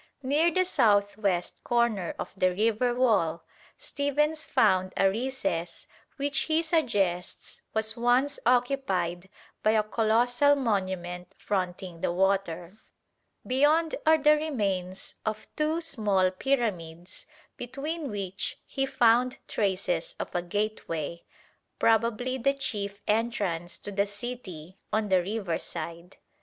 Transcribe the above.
Near the south west corner of the river wall Stephens found a recess which he suggests was once occupied by a colossal monument fronting the water. Beyond are the remains of two small pyramids between which he found traces of a gateway, probably the chief entrance to the city on the riverside.